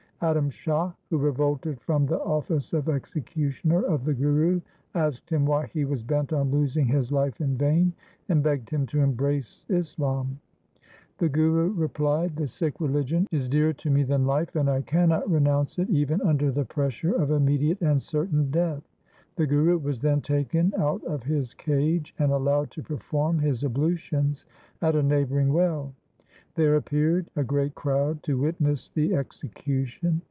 Adam Shah, who revolted from the office of executioner of the Guru, asked him why he was bent on losing his life in vain, and begged him to embrace Islam. The Guru replied :—' The Sikh religion is dearer to me than life, and I cannot renounce it even under the pressure of immediate and certain death. The Guru was then taken out of his cage, and allowed to perform his ablutions at a neighbouring well . There appeared a great crowd to witness the execution.